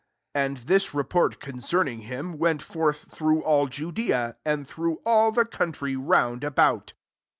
* And this report conceming^lilfl went forth through all Jtt&i and through all the couifll round about.